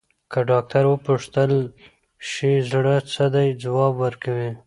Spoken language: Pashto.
که ډاکټر وپوښتل شي، زړه څه دی، ځواب ورکوي.